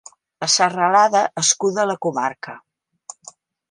La serralada escuda la comarca.